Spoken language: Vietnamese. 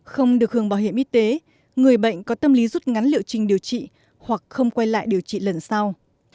không được hưởng bảo hiểm y tế người bệnh có tâm lý rút ngắn liệu trình điều trị hoặc không quay lại điều trị lần sau